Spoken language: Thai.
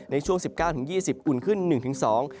ในช่วง๑๙๒๐อุ่นขึ้น๑๒องศาเซียต